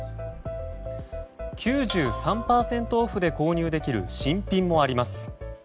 ９３％オフで購入できる新品もあります。